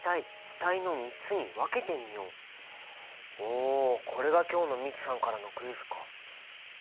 おこれが今日の美樹さんからのクイズか。